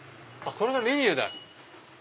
これがメニューだ。